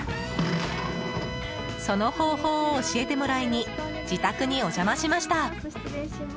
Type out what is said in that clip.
その方法を教えてもらいに自宅にお邪魔しました。